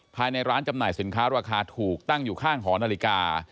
ภายในร้านจำหน่ายสินค้าราคาถูกตั้งอยู่ข้างหอนาฬิกา